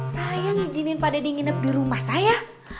saya izinin pak deddy nginep di rumah saya